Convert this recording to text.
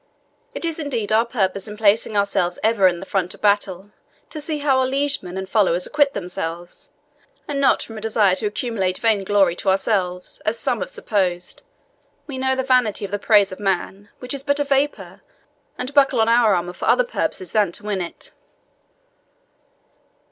It is indeed our purpose in placing ourselves ever in the front of battle, to see how our liegemen and followers acquit themselves, and not from a desire to accumulate vainglory to ourselves, as some have supposed. We know the vanity of the praise of man, which is but a vapour, and buckle on our armour for other purposes than to win it."